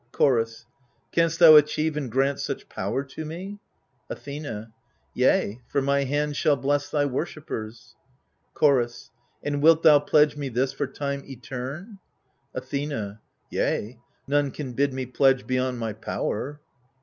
Chorus Canst thou achieve and grant such power to me ? Athena Yea, for my hand shall bless thy worshippers. Chorus And wilt thou pledge me this for time eteme ? Athena Yea : none can bid me pledge beyond my power.